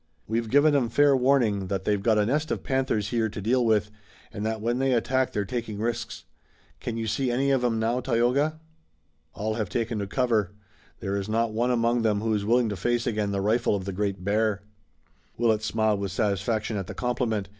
We've given 'em fair warning that they've got a nest of panthers here to deal with, and that when they attack they're taking risks. Can you see any of 'em now, Tayoga?" "All have taken to cover. There is not one among them who is willing to face again the rifle of the Great Bear." Willet smiled with satisfaction at the compliment.